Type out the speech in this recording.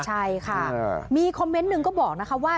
ใช่ค่ะมีคอมเมนต์หนึ่งก็บอกนะคะว่า